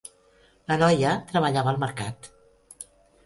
La noia treballava al mercat.